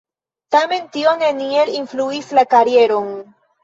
Tamen tio neniel influis la karieron.